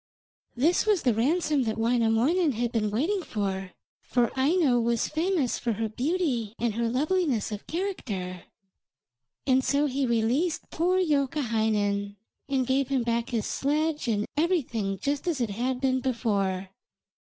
This was the ransom that Wainamoinen had been waiting for, for Aino was famous for her beauty and loveliness of character, and so he released poor Youkahainen and gave him back his sledge and everything just as it had been before.